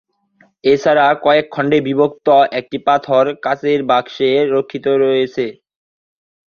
এছাড়া কয়েক খণ্ডে বিভক্ত একটি পাথর কাচের বাক্সে রক্ষিত রয়েছে।